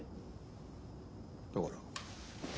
だから俺！